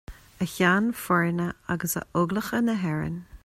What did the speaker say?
A Cheann Foirne agus a Óglacha na hÉirean